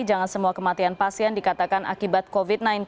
jangan semua kematian pasien dikatakan akibat covid sembilan belas